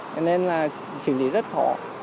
cho nên là xử lý rất khó